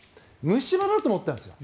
虫歯だと思ったんですよ。